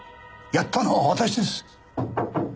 やったのは私です！